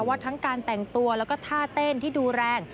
ว่าทั้งการแต่งตัวแล้วก็ท่าเต้นที่ดูแรง